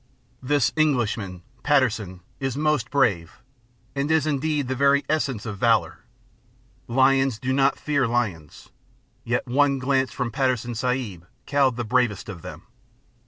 This Englishman, Patterson, is most brave, and is indeed the very essence of valour; Lions do not fear lions, yet one glance from Patterson Sahib cowed the bravest of them.